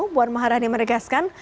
buan maharani menegaskan